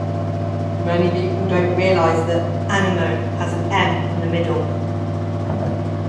Many people don’t realise that “anemone” has an m in the middle.